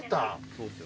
そうっすよ。